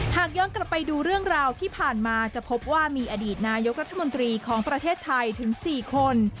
หากย้อนกลับไปดูเรื่องราวที่ผ่านมาจะพบว่ามีอดีตนายกรัฐมนตรีของประเทศไทยถึง๔คน